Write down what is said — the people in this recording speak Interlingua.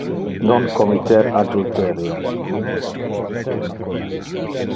Non committer adulterio.